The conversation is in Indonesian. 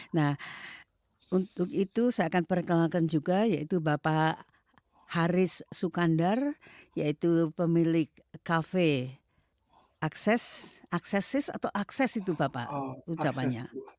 nah untuk itu saya akan perkenalkan juga yaitu bapak haris sukandar yaitu pemilik kafe akses atau akses itu bapak ucapannya